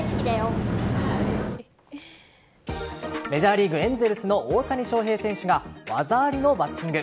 メジャーリーグ・エンゼルスの大谷翔平選手が技ありのバッティング。